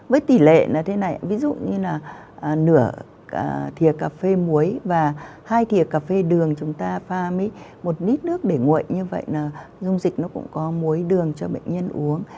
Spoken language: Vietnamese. với tỷ lệ là thế này ví dụ như là nửa thịa cà phê muối và hai thịa cà phê đường chúng ta pha mấy một lít nước để nguội như vậy là dung dịch nó cũng có muối đường cho bệnh nhân uống